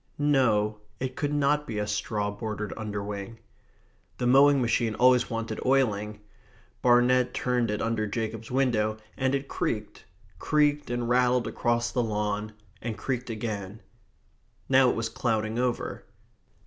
No, it could not be a straw bordered underwing. The mowing machine always wanted oiling. Barnet turned it under Jacob's window, and it creaked creaked, and rattled across the lawn and creaked again. Now it was clouding over.